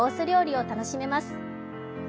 料理を楽しめます。